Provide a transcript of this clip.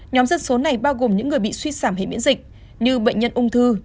nhóm dân số này bao gồm những người bị suy giảm hệ miễn dịch như bệnh nhân ung thư